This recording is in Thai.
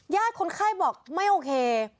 ญาติคนไข้บอกไม่โอเค